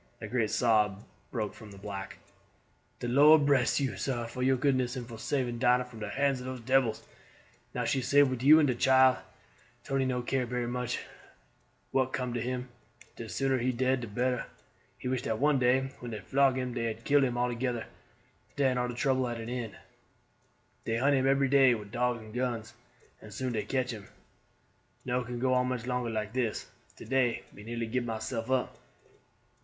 A great sob broke from the black "De Lord bress you, sah, for your goodness and for saving Dinah from de hands of dose debils! Now she safe wid you and de child, Tony no care berry much what come to him de sooner he dead de better. He wish dat one day when dey flog him dey had kill him altogether; den all de trouble at an end. Dey hunt him ebery day with dogs and guns, and soon dey catch him. No can go on much longer like dis. To day me nearly gib myself up.